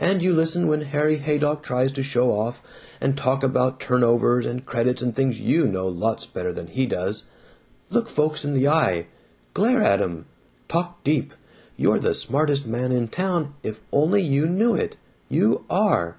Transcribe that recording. And you listen when Harry Haydock tries to show off and talk about turnovers and credits and things you know lots better than he does. Look folks in the eye! Glare at 'em! Talk deep! You're the smartest man in town, if you only knew it. You ARE!"